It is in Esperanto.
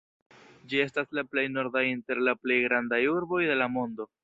Ĝi estas la plej norda inter la plej grandaj urboj de la mondo.